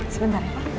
sebentar ya ma